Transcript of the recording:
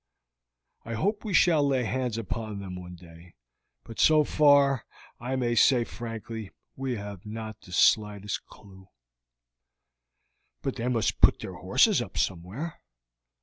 I hope we shall lay hands upon them one day, but so far I may say frankly we have not the slightest clew." "But they must put their horses up somewhere?"